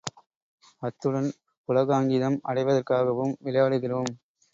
அத்துடன் புளகாங்கிதம் அடைவதற்காகவும் விளையாடுகிறோம்.